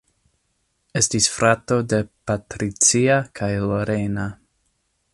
Estis frato de Patricia kaj Lorena.